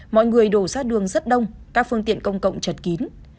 mọi người đổ ra đường rất đông các phương tiện công cộng chật kín